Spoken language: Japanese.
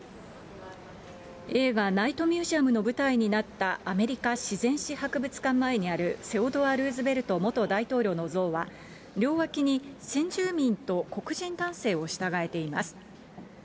映画、ナイトミュージアムの舞台になったアメリカ自然史博物館前にあるセオドア・ルーズベルト元大統領の像は、両脇に先住民と黒人男性を従えています。